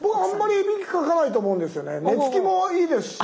寝つきもいいですし。